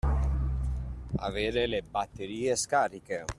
Avere le batterie scariche.